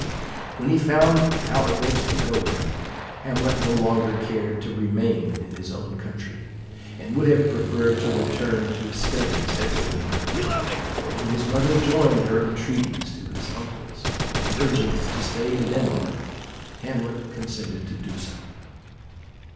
When he found how events were going, Hamlet no longer cared to remain in his own country, and would have preferred to return to his studies at Wittenberg; but when his mother joined her entreaties to his uncle's, in urging him to stay in Denmark, Hamlet consented to do so.